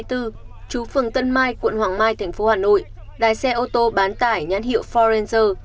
trú phường tân mai quận hoàng mai tp hà nội đài xe ô tô bán tải nhắn hiệu forenzer